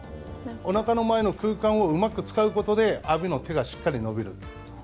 おなかの前の空間をうまく使うことで、阿炎の手がしっかり伸びる。